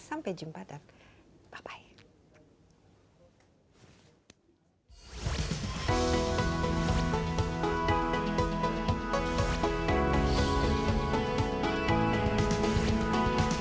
sampai jumpa dan bye bye